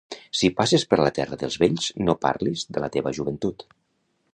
Si passes per la terra dels vells no parlis de la teva joventut.